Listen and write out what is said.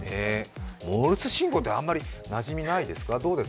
モールス信号ってあまりなじみないですか？